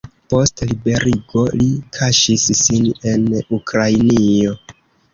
Post liberigo li kaŝis sin en Ukrainio.